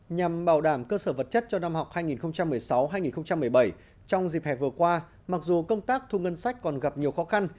nhằm bảo đảm cơ sở vật chất cho năm học hai nghìn một mươi sáu hai nghìn một mươi bảy trong dịp hè vừa qua mặc dù công tác thu ngân sách còn gặp nhiều khó khăn